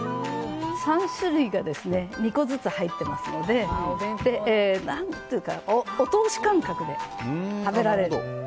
３種類が２個ずつ入ってますのでお通し感覚で食べられる。